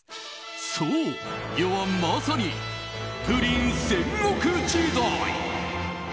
そう、世はまさにプリン戦国時代。